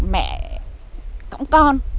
tượng mẹ cõng con